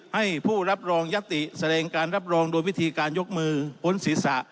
ให้ผู้รับรองยัตติแสดงการรับรองโดยวิธีการยกมือพ้นศีรษะ